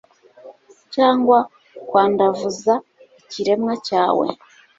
cyangwa kwandavuza ikiremwa cyawe